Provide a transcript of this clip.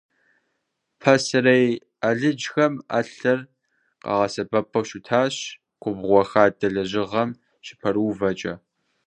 Пасэрей алыджхэм ӏэлъэр къагъэсэбэпу щыщытащ губгъуэ, хадэ лэжьыгъэхэм щыпэрыувэкӏэ.